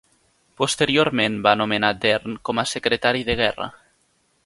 Posteriorment va nomenar Dern com a secretari de guerra.